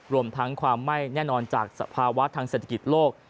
รวมทั้งความไม่แน่นอนจากสภาวะทางเศรษฐกิจโลก